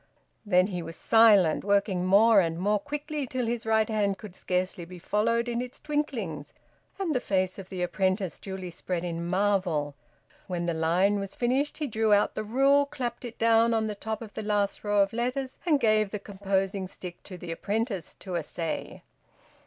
Then he was silent, working more and more quickly, till his right hand could scarcely be followed in its twinklings, and the face of the apprentice duly spread in marvel, When the line was finished he drew out the rule, clapped it down on the top of the last row of letters, and gave the composing stick to the apprentice to essay.